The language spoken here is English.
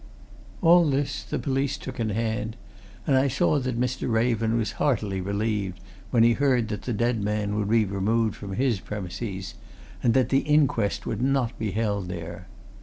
All this the police took in hand, and I saw that Mr. Raven was heartily relieved when he heard that the dead man would be removed from his premises and that the inquest would not be held there.